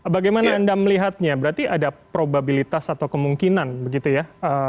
bagaimana anda melihatnya berarti ada probabilitas atau kemungkinan begitu ya